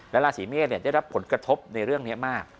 และราศีเมษได้รับผลกระทบในเรื่องนี้มาก